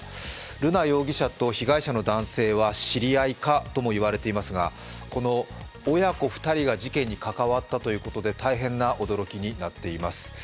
瑠奈容疑者と被害者の男性は知り合いかともいわれていますがこの親子２人が事件に関わったということで大変な驚きになっています。